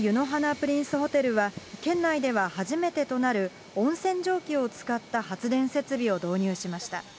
プリンスホテルは、県内では初めてとなる温泉蒸気を使った発電設備を導入しました。